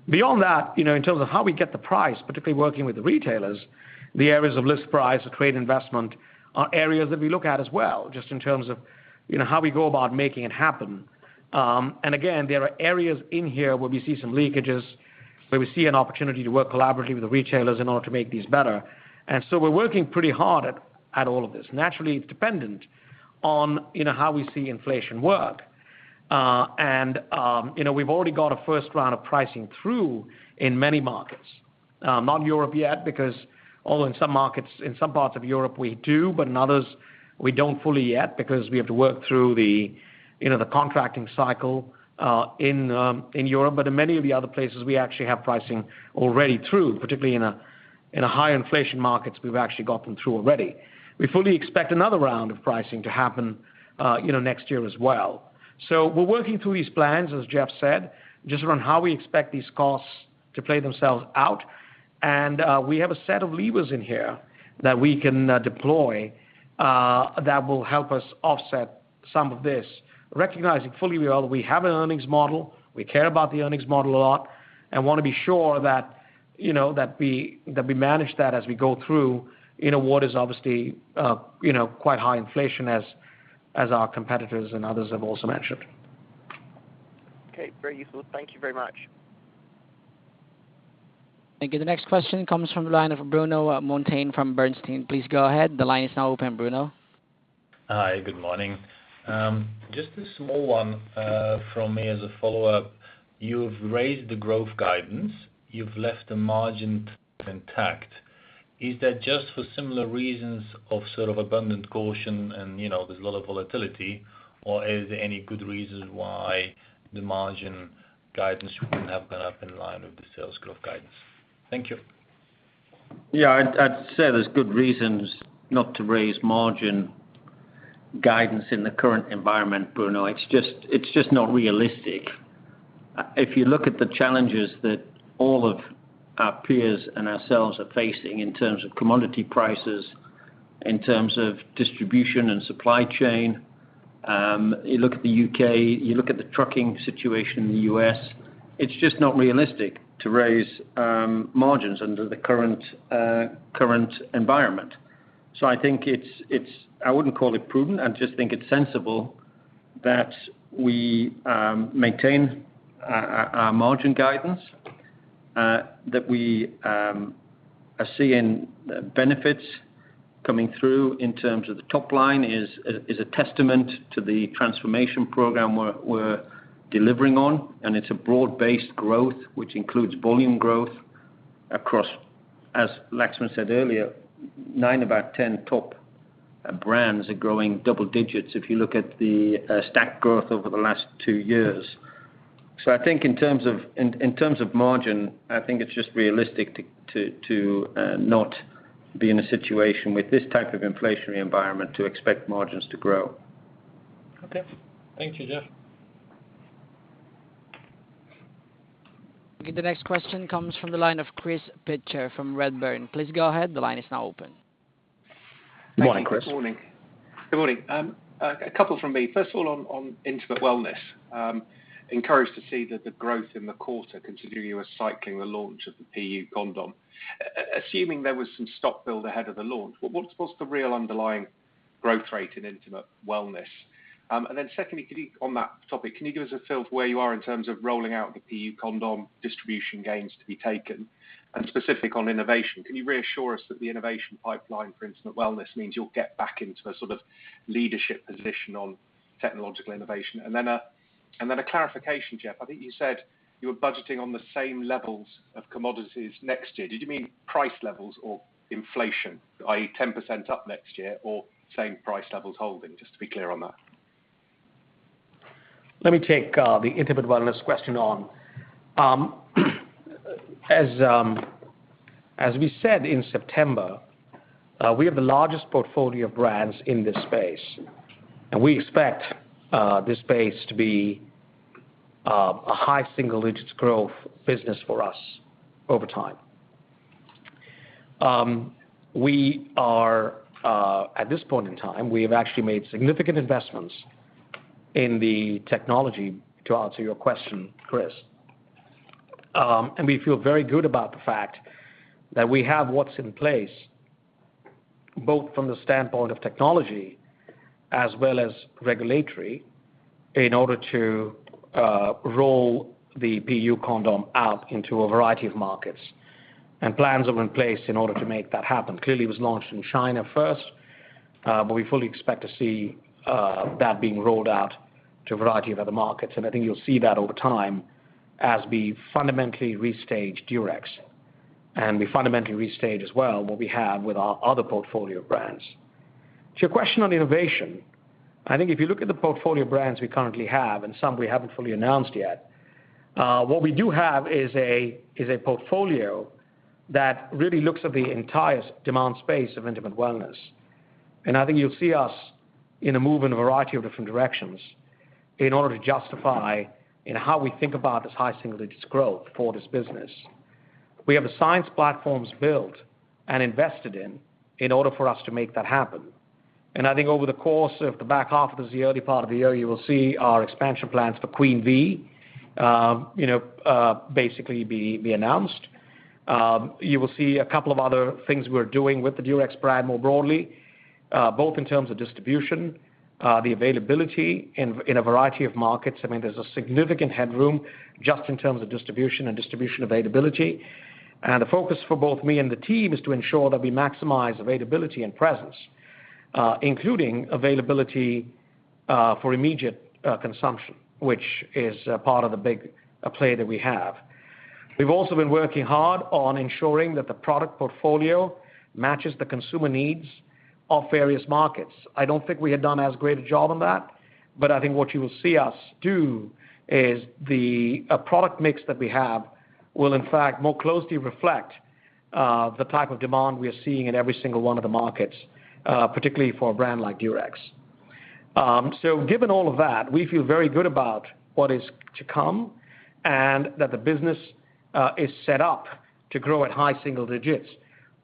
Beyond that, you know, in terms of how we get the price, particularly working with the retailers, the areas of list price or trade investment are areas that we look at as well, just in terms of, you know, how we go about making it happen. Again, there are areas in here where we see some leakages, where we see an opportunity to work collaboratively with the retailers in order to make these better. We're working pretty hard at all of this. Naturally, it's dependent on, you know, how we see inflation work. You know, we've already got a first round of pricing through in many markets. Not Europe yet, because although in some markets, in some parts of Europe we do, but in others we don't fully yet because we have to work through the, you know, the contracting cycle, in Europe. In many of the other places, we actually have pricing already through, particularly in higher inflation markets, we've actually got them through already. We fully expect another round of pricing to happen, you know, next year as well. We're working through these plans, as Jeff said, just around how we expect these costs to play themselves out. We have a set of levers in here that we can deploy that will help us offset some of this. Recognizing fully well we have an earnings model, we care about the earnings model a lot, and wanna be sure that, you know, that we manage that as we go through, you know, what is obviously, you know, quite high inflation as our competitors and others have also mentioned. Okay, very useful. Thank you very much. Thank you. The next question comes from the line of Bruno Monteyne from Bernstein. Please go ahead. The line is now open, Bruno. Hi, good morning. Just a small one from me as a follow-up. You've raised the growth guidance, you've left the margin intact. Is that just for similar reasons of sort of abundant caution and, you know, there's a lot of volatility, or is there any good reason why the margin guidance wouldn't have gone up in line with the sales growth guidance? Thank you. Yeah. I'd say there's good reasons not to raise margin guidance in the current environment, Bruno. It's just not realistic. If you look at the challenges that all of our peers and ourselves are facing in terms of commodity prices, in terms of distribution and supply chain, you look at the U.K., you look at the trucking situation in the U.S., it's just not realistic to raise margins under the current environment. I think it's. I wouldn't call it prudent. I just think it's sensible that we maintain our margin guidance, that we are seeing benefits coming through in terms of the top line is a testament to the transformation program we're delivering on, and it's a broad-based growth, which includes volume growth across, as Laxman said earlier, nine of our 10 top brands are growing double digits if you look at the stack growth over the last two years. I think in terms of margin, I think it's just realistic to not be in a situation with this type of inflationary environment to expect margins to grow. Okay. Thank you, Jeff. Okay. The next question comes from the line of Chris Pitcher from Redburn. Please go ahead. The line is now open. Morning, Chris. Good morning. A couple from me. First of all, on Intimate Wellness, encouraged to see that the growth in the quarter, considering you were cycling the launch of the PU condom. Assuming there was some stock build ahead of the launch, what was the real underlying growth rate in Intimate Wellness? Then secondly, on that topic, can you give us a feel for where you are in terms of rolling out the PU condom distribution gains to be taken? Specific on innovation, can you reassure us that the innovation pipeline for Intimate Wellness means you'll get back into a sort of leadership position on technological innovation? Then a clarification, Jeff. I think you said you were budgeting on the same levels of commodities next year. Did you mean price levels or inflation, i.e. 10% up next year or same price levels holding? Just to be clear on that. Let me take the Intimate Wellness question on. As we said in September, we have the largest portfolio of brands in this space, and we expect this space to be a high single-digit growth business for us over time. At this point in time, we have actually made significant investments in the technology, to answer your question, Chris. We feel very good about the fact that we have what's in place both from the standpoint of technology as well as regulatory, in order to roll the PU condom out into a variety of markets, and plans are in place in order to make that happen. Clearly, it was launched in China first, but we fully expect to see that being rolled out to a variety of other markets. I think you'll see that over time as we fundamentally restage Durex, and we fundamentally restage as well what we have with our other portfolio brands. To your question on innovation, I think if you look at the portfolio brands we currently have and some we haven't fully announced yet, what we do have is a portfolio that really looks at the entire demand space of Intimate Wellness. I think you'll see us innovate in a variety of different directions in order to justify how we think about this high single-digit growth for this business. We have the science platforms built and invested in order for us to make that happen. I think over the course of the back half of this year, early part of the year, you will see our expansion plans for Queen V, you know, basically be announced. You will see a couple of other things we're doing with the Durex brand more broadly, both in terms of distribution, the availability in a variety of markets. I mean, there's a significant headroom just in terms of distribution and distribution availability. The focus for both me and the team is to ensure that we maximize availability and presence, including availability for immediate consumption, which is a part of the big play that we have. We've also been working hard on ensuring that the product portfolio matches the consumer needs of various markets. I don't think we have done as great a job on that, but I think what you will see us do is the product mix that we have will in fact more closely reflect the type of demand we are seeing in every single one of the markets, particularly for a brand like Durex. Given all of that, we feel very good about what is to come and that the business is set up to grow at high single digits.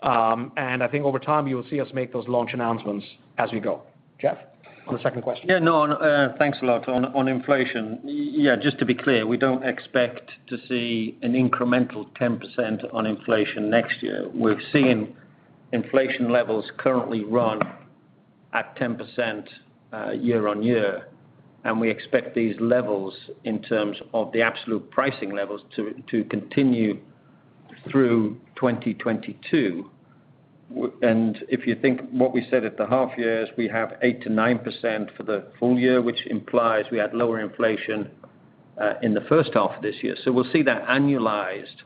I think over time you will see us make those launch announcements as we go. Jeff, on the second question. Thanks a lot. On inflation, yeah, just to be clear, we don't expect to see an incremental 10% on inflation next year. We're seeing inflation levels currently run at 10%, year-on-year, and we expect these levels in terms of the absolute pricing levels to continue through 2022. If you think what we said at the half years, we have 8%-9% for the full year, which implies we had lower inflation in the first half of this year. We'll see that annualized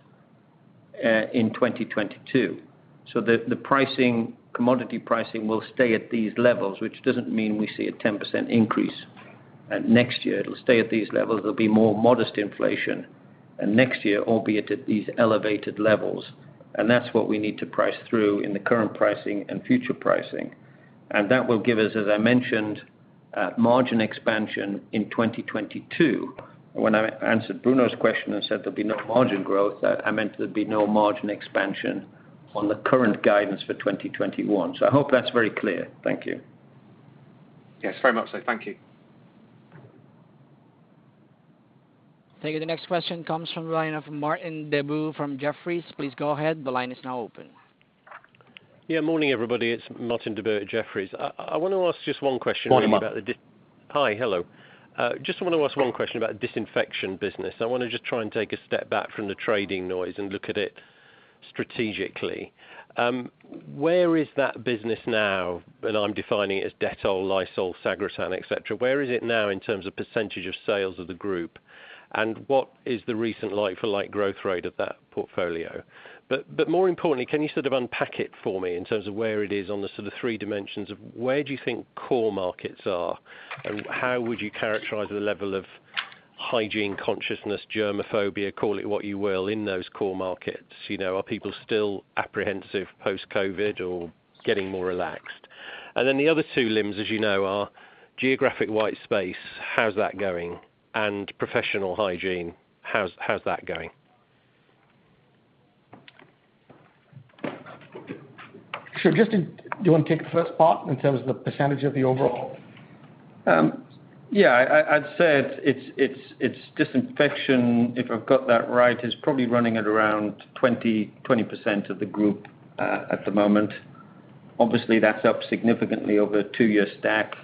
in 2022. The pricing, commodity pricing will stay at these levels, which doesn't mean we see a 10% increase next year. It'll stay at these levels. There'll be more modest inflation next year, albeit at these elevated levels. That's what we need to price through in the current pricing and future pricing. That will give us, as I mentioned, margin expansion in 2022. When I answered Bruno's question and said there'd be no margin growth, I meant there'd be no margin expansion on the current guidance for 2021. I hope that's very clear. Thank you. Yes, very much so. Thank you. Thank you. The next question comes from the line of Martin Deboo from Jefferies. Please go ahead. The line is now open. Yeah. Morning, everybody. It's Martin Deboo, Jefferies. I wanna ask just one question really about the dis... Morning, Martin. Hi. Hello. Just wanna ask one question about disinfection business. I wanna just try and take a step back from the trading noise and look at it strategically. Where is that business now? I'm defining it as Dettol, Lysol, Sagrotan, et cetera. Where is it now in terms of percentage of sales of the group? What is the recent like for like growth rate of that portfolio? More importantly, can you sort of unpack it for me in terms of where it is on the sort of three dimensions of where do you think core markets are? How would you characterize the level of hygiene consciousness, germaphobia, call it what you will, in those core markets, you know? Are people still apprehensive post-COVID or getting more relaxed? Then the other two limbs, as you know, are geographic white space. How's that going? Professional hygiene, how's that going? Sure. Jeff, do you wanna take the first part in terms of the percentage of the overall? Yeah. I'd say it's disinfection, if I've got that right, is probably running at around 20% of the group at the moment. Obviously, that's up significantly over a two-year stack.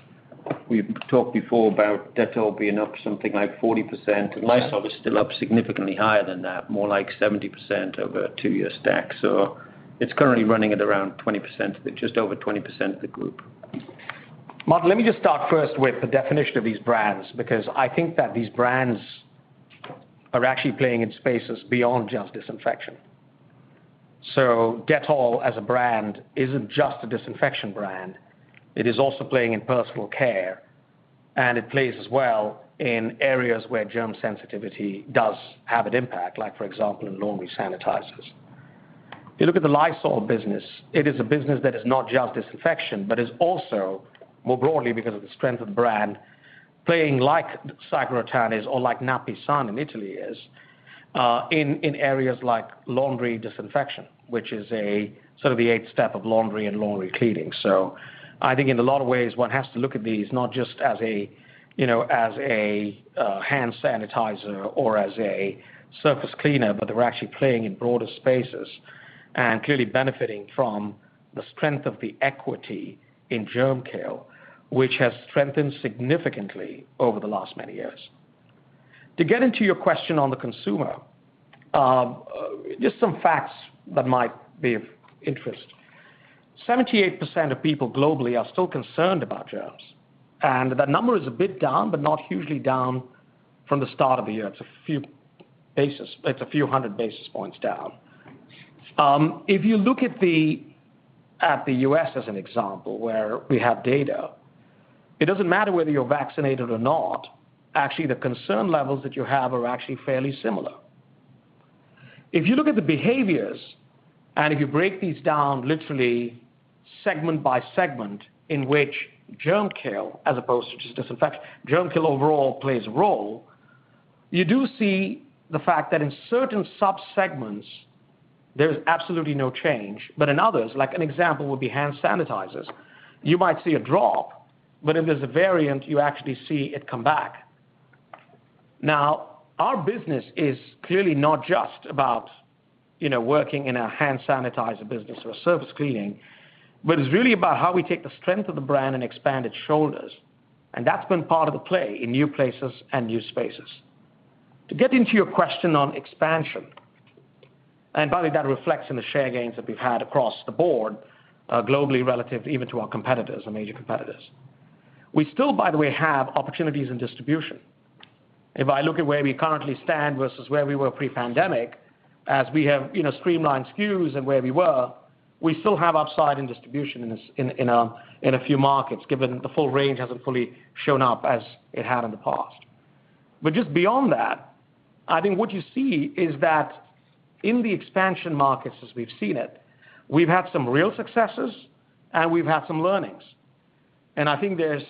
We've talked before about Dettol being up something like 40%. Lysol is still up significantly higher than that, more like 70% over a two-year stack. It's currently running at around 20%, just over 20% of the group. Martin, let me just start first with the definition of these brands, because I think that these brands are actually playing in spaces beyond just disinfection. Dettol as a brand isn't just a disinfection brand. It is also playing in personal care, and it plays as well in areas where germ sensitivity does have an impact, like for example, in laundry sanitizers. You look at the Lysol business, it is a business that is not just disinfection, but is also more broadly because of the strength of the brand playing like Sagrotan is or like Napisan in Italy is, in areas like laundry disinfection, which is a sort of the eighth step of laundry and laundry cleaning. I think in a lot of ways, one has to look at these not just as a you know as a hand sanitizer or as a surface cleaner, but they're actually playing in broader spaces. Clearly benefiting from the strength of the equity in germ kill, which has strengthened significantly over the last many years. To get into your question on the consumer, just some facts that might be of interest. 78% of people globally are still concerned about germs, and that number is a bit down, but not hugely down from the start of the year. It's a few hundred basis points down. If you look at the U.S. as an example where we have data, it doesn't matter whether you're vaccinated or not. Actually, the concern levels that you have are actually fairly similar. If you look at the behaviors, and if you break these down literally segment by segment, in which germ kill, as opposed to just disinfection, germ kill overall plays a role, you do see the fact that in certain sub-segments there is absolutely no change. In others, like an example would be hand sanitizers, you might see a drop, but if there's a variant, you actually see it come back. Now, our business is clearly not just about, you know, working in a hand sanitizer business or a surface cleaning, but it's really about how we take the strength of the brand and expand its shoulders. That's been part of the play in new places and new spaces. To get into your question on expansion, and by the way, that reflects in the share gains that we've had across the board, globally, relative even to our competitors or major competitors. We still, by the way, have opportunities in distribution. If I look at where we currently stand versus where we were pre-pandemic, as we have, you know, streamlined SKUs and where we were, we still have upside in distribution in a few markets, given the full range hasn't fully shown up as it had in the past. Just beyond that, I think what you see is that in the expansion markets, as we've seen it, we've had some real successes and we've had some learnings. I think there's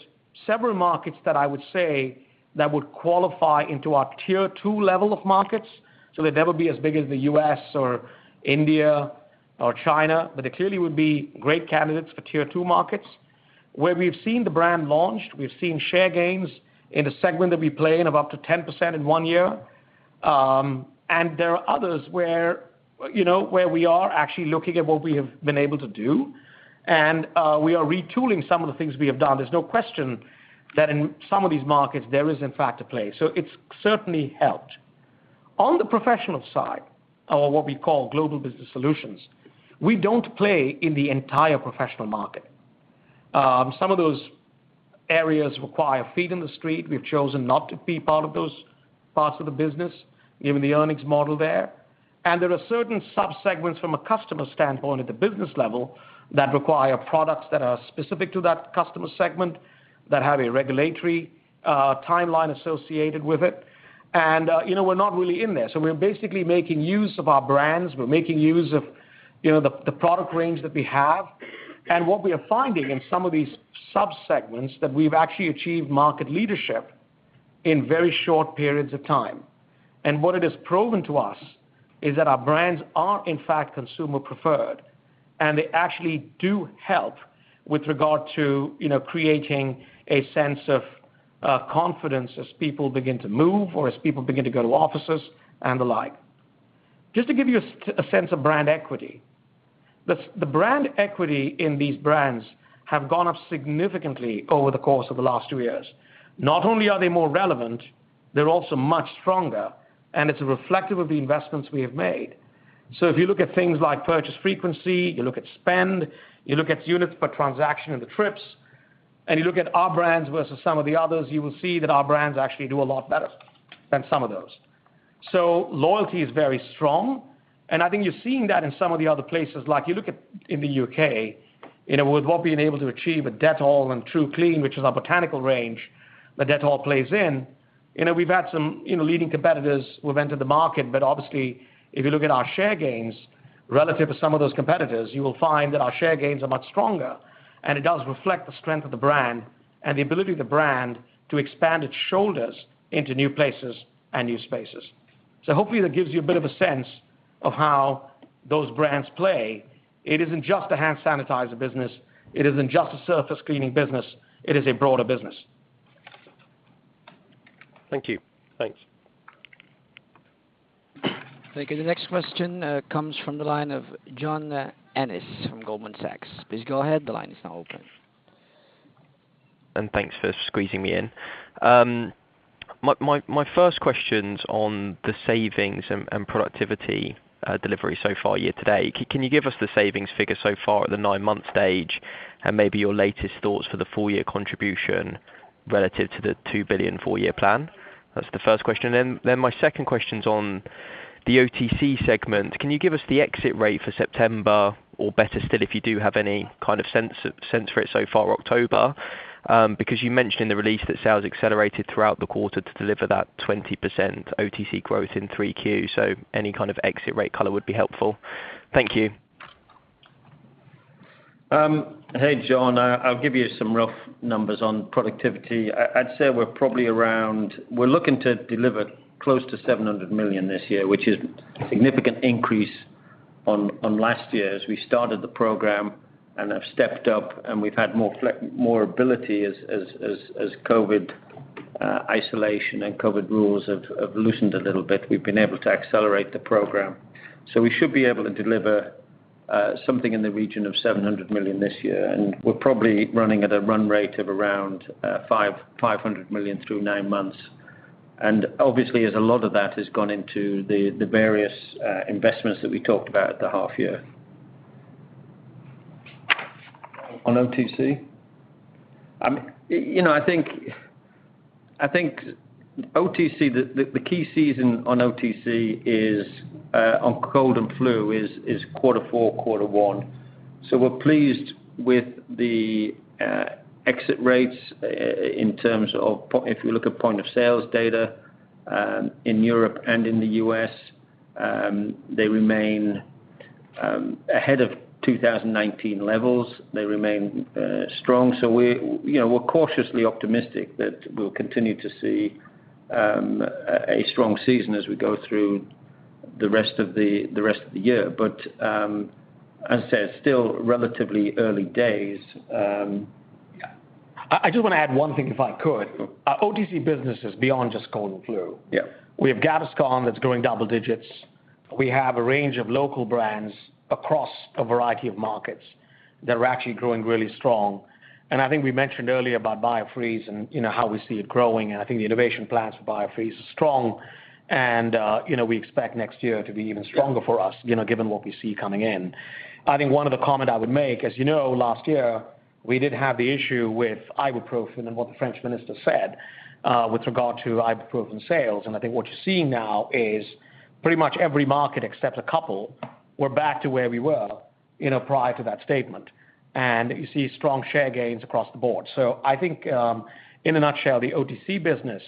several markets that I would say that would qualify into our tier two level of markets. They'd never be as big as the U.S. or India or China, but they clearly would be great candidates for tier two markets. Where we've seen the brand launched, we've seen share gains in the segment that we play in of up to 10% in one year. And there are others where, you know, we are actually looking at what we have been able to do, and we are retooling some of the things we have done. There's no question that in some of these markets there is in fact a play. It's certainly helped. On the professional side, or what we call Global Business Solutions, we don't play in the entire professional market. Some of those areas require feet in the street. We've chosen not to be part of those parts of the business, given the earnings model there. There are certain sub-segments from a customer standpoint at the business level that require products that are specific to that customer segment, that have a regulatory timeline associated with it. You know, we're not really in there. We're basically making use of our brands. We're making use of, you know, the product range that we have. What we are finding in some of these sub-segments that we've actually achieved market leadership in very short periods of time. What it has proven to us is that our brands are in fact consumer preferred, and they actually do help with regard to, you know, creating a sense of confidence as people begin to move or as people begin to go to offices and the like. Just to give you a sense of brand equity. The brand equity in these brands have gone up significantly over the course of the last two years. Not only are they more relevant, they're also much stronger, and it's reflective of the investments we have made. If you look at things like purchase frequency, you look at spend, you look at units per transaction and the trips, and you look at our brands versus some of the others, you will see that our brands actually do a lot better than some of those. Loyalty is very strong, and I think you're seeing that in some of the other places. Like you look at in the U.K., you know, with what we've been able to achieve with Dettol and Tru Clean, which is our botanical range that Dettol plays in. You know, we've had some, you know, leading competitors who have entered the market, but obviously if you look at our share gains relative to some of those competitors, you will find that our share gains are much stronger. It does reflect the strength of the brand and the ability of the brand to expand its shoulders into new places and new spaces. Hopefully that gives you a bit of a sense of how those brands play. It isn't just a hand sanitizer business, it isn't just a surface cleaning business, it is a broader business. Thank you. Thanks. Thank you. The next question comes from the line of John Ennis from Goldman Sachs. Please go ahead. The line is now open. Thanks for squeezing me in. My first question's on the savings and productivity delivery so far year to date. Can you give us the savings figure so far at the nine-month stage and maybe your latest thoughts for the full year contribution relative to the 2 billion four-year plan? That's the first question. My second question's on the OTC segment. Can you give us the exit rate for September or better still, if you do have any kind of sense for it so far October? Because you mentioned in the release that sales accelerated throughout the quarter to deliver that 20% OTC growth in 3Q. So any kind of exit rate color would be helpful. Thank you. Hey, John. I'll give you some rough numbers on productivity. I'd say we're looking to deliver close to 700 million this year, which is significant increase on last year as we started the program and have stepped up and we've had more flexibility as COVID. Isolation and COVID rules have loosened a little bit. We've been able to accelerate the program. We should be able to deliver something in the region of 700 million this year. We're probably running at a run rate of around 500 million through nine months. Obviously, a lot of that has gone into the various investments that we talked about at the half year. On OTC? You know, I think OTC, the key season on OTC is on cold and flu is quarter four, quarter one. We're pleased with the exit rates in terms of if you look at point of sales data in Europe and in the U.S., they remain ahead of 2019 levels. They remain strong. You know, we're cautiously optimistic that we'll continue to see a strong season as we go through the rest of the year. As I said, still relatively early days. I just wanna add one thing, if I could. Mm-hmm. Our OTC business is beyond just cold and flu. Yeah. We have Gaviscon that's growing double digits. We have a range of local brands across a variety of markets that are actually growing really strong. I think we mentioned earlier about Biofreeze and, you know, how we see it growing, and I think the innovation plans for Biofreeze is strong. You know, we expect next year to be even stronger for us, you know, given what we see coming in. I think one other comment I would make, as you know, last year, we did have the issue with ibuprofen and what the French minister said with regard to ibuprofen sales. I think what you're seeing now is pretty much every market, except a couple, we're back to where we were, you know, prior to that statement. You see strong share gains across the board. I think, in a nutshell, the OTC business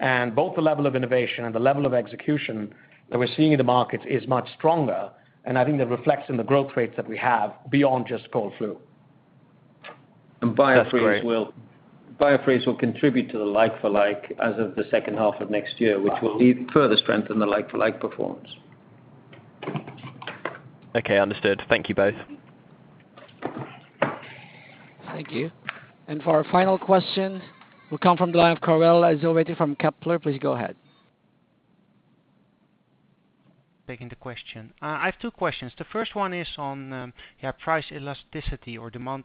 and both the level of innovation and the level of execution that we're seeing in the market is much stronger, and I think that reflects in the growth rates that we have beyond just cold and flu. Biofreeze will... That's great. Biofreeze will contribute to the like-for-like as of the second half of next year, which will further strengthen the like-for-like performance. Okay, understood. Thank you both. Thank you. For our final question, we come from the line of Karel Zoete from Kepler. Please go ahead. Taking the question. I have two questions. The first one is on price elasticity or demand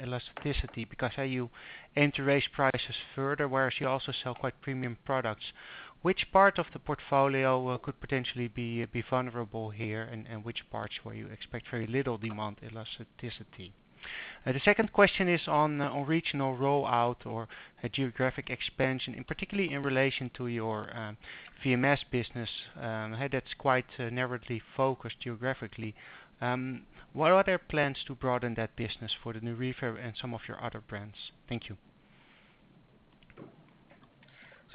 elasticity, because how you aim to raise prices further, whereas you also sell quite premium products. Which part of the portfolio could potentially be vulnerable here, and which parts where you expect very little demand elasticity? The second question is on regional rollout or a geographic expansion, and particularly in relation to your VMS business, how that's quite narrowly focused geographically. What are their plans to broaden that business for the new RB and some of your other brands? Thank you.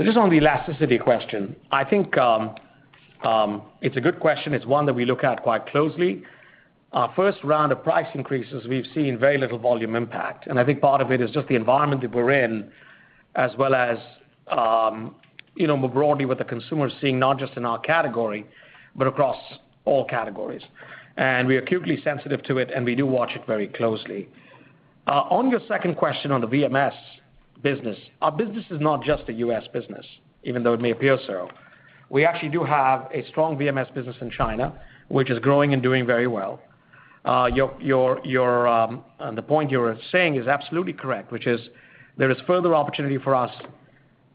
Just on the elasticity question, I think it's a good question. It's one that we look at quite closely. Our first round of price increases, we've seen very little volume impact. I think part of it is just the environment that we're in, as well as you know, more broadly what the consumer is seeing, not just in our category, but across all categories. We are acutely sensitive to it, and we do watch it very closely. On your second question on the VMS business, our business is not just a U.S. business, even though it may appear so. We actually do have a strong VMS business in China, which is growing and doing very well. The point you were saying is absolutely correct, which is there is further opportunity for us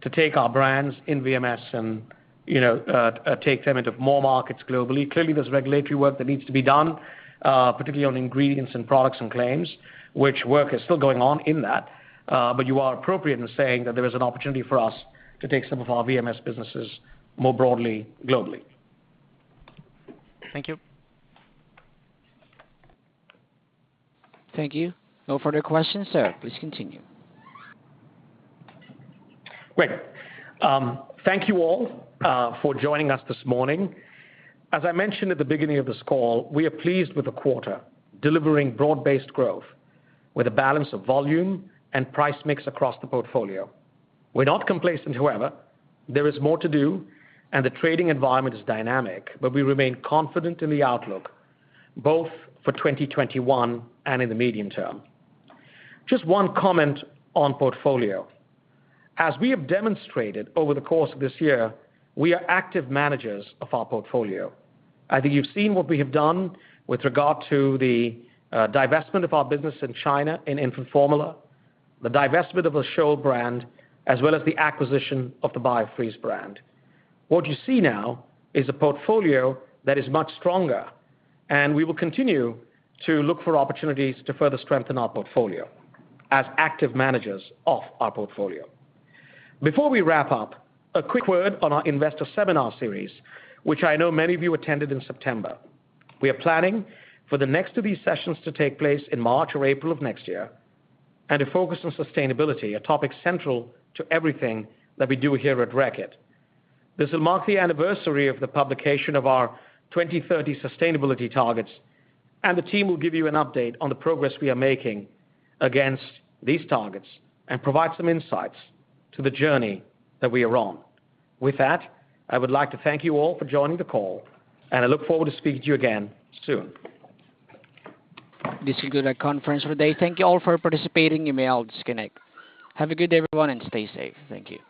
to take our brands in VMS and, you know, take them into more markets globally. Clearly, there's regulatory work that needs to be done, particularly on ingredients and products and claims, which work is still going on in that. You are appropriate in saying that there is an opportunity for us to take some of our VMS businesses more broadly globally. Thank you. Thank you. No further questions. Sir, please continue. Great. Thank you all for joining us this morning. As I mentioned at the beginning of this call, we are pleased with the quarter, delivering broad-based growth with a balance of volume and price mix across the portfolio. We're not complacent, however. There is more to do, and the trading environment is dynamic, but we remain confident in the outlook, both for 2021 and in the medium term. Just one comment on portfolio. As we have demonstrated over the course of this year, we are active managers of our portfolio. I think you've seen what we have done with regard to the divestment of our business in China in infant formula, the divestment of the Scholl brand, as well as the acquisition of the Biofreeze brand. What you see now is a portfolio that is much stronger, and we will continue to look for opportunities to further strengthen our portfolio as active managers of our portfolio. Before we wrap up, a quick word on our investor seminar series, which I know many of you attended in September. We are planning for the next of these sessions to take place in March or April of next year, and to focus on sustainability, a topic central to everything that we do here at Reckitt. This will mark the anniversary of the publication of our 2030 sustainability targets, and the team will give you an update on the progress we are making against these targets and provide some insights to the journey that we are on. With that, I would like to thank you all for joining the call, and I look forward to speaking to you again soon. This is a good conference for the day. Thank you all for participating. You may all disconnect. Have a good day, everyone, and stay safe. Thank you.